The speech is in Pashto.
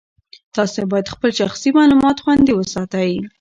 تاسي باید خپل شخصي معلومات خوندي وساتئ.